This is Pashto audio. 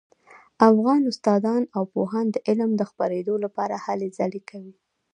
افغان استادان او پوهان د علم د خپریدو لپاره هلې ځلې کوي